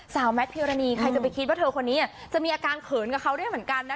แมทพิวรณีใครจะไปคิดว่าเธอคนนี้จะมีอาการเขินกับเขาด้วยเหมือนกันนะ